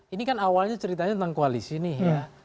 ini kan awalnya ceritanya tentang koalisi nih ya